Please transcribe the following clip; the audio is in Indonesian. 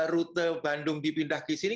rute bandung dipindah ke sini